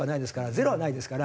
ゼロはないですから。